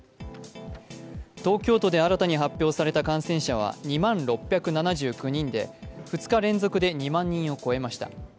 東京都で新たに発表された感染者は２万６７９人で２日連続で２万人を超えました。